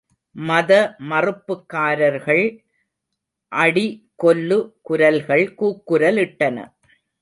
மத மறுப்புக்காரர்கள்! அடி, கொல்லு! குரல்கள் கூக்குரலிட்டன.